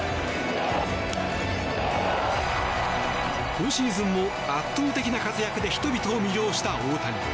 今シーズンも圧倒的な活躍で人々を魅了した大谷。